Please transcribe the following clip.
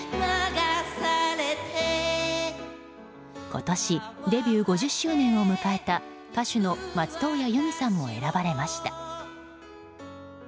今年デビュー５０周年を迎えた歌手の松任谷由実さんも選ばれました。